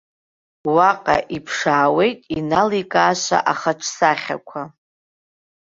Уаҟа иԥшаауеит иналикааша ахаҿсахьақәа.